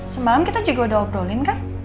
semalam kita juga sudah bicara kan